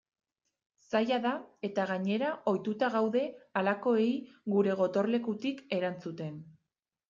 Zaila da eta gainera ohituta gaude halakoei gure gotorlekutik erantzuten.